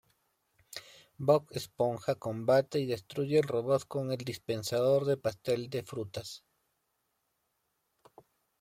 Bob Esponja combate y destruye el robot con el dispensador de pastel de frutas.